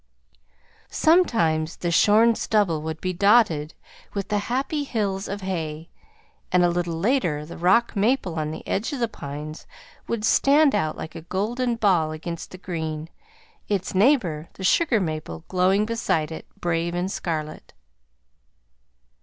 Sometimes the shorn stubble would be dotted with "the happy hills of hay," and a little later the rock maple on the edge of the pines would stand out like a golden ball against the green; its neighbor, the sugar maple, glowing beside it, brave in scarlet.